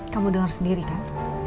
kamu dengar sendiri kan